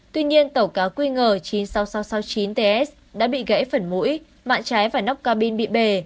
tuy nhiên tàu cá qng chín mươi sáu nghìn sáu trăm sáu mươi chín ts đã bị gãy phần mũi mạng trái và nóc cabin bị bề